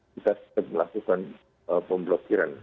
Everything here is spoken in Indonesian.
kita lakukan pemblokiran